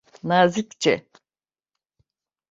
Nazikçe.